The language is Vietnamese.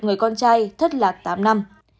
người con trai thất lạc tám năm